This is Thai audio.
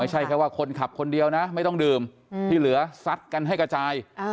แค่ว่าคนขับคนเดียวนะไม่ต้องดื่มที่เหลือซัดกันให้กระจาย